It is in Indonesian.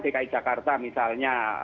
dki jakarta misalnya